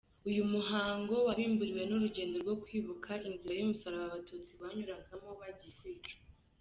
Uyu muhango wabimburiwe n’urugendo rwo kwibuka inzira y’umusaraba abatutsi banyuragamo bagiye kwicwa.